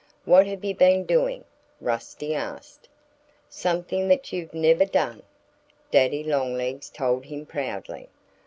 "What have you been doing?" Rusty asked. "Something that you've never done!" Daddy Longlegs told him proudly.